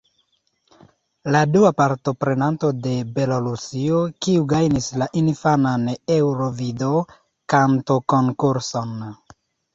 La dua partoprenanto de Belorusio, kiu gajnis la infanan Eŭrovido-Kantokonkurson.